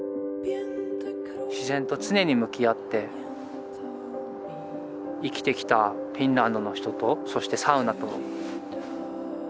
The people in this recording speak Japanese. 自然と常に向き合って生きてきたフィンランドの人とそしてサウナと。